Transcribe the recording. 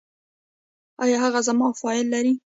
ایا هغه زما فایل لري؟